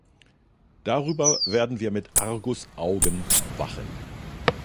Darüber werden wir mit Argusaugen wachen.